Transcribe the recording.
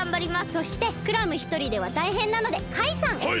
そしてクラムひとりではたいへんなのでカイさん！はい！？